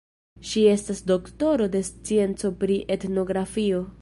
Ŝi estas doktoro de scienco pri etnografio.